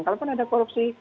kalaupun ada korupsi